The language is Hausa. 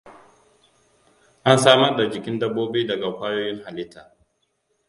An samar da jikin dabbobi daga ƙwayoyin halitta.